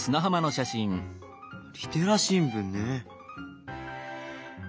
リテラ新聞ね。